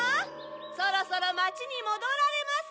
そろそろまちにもどられませ。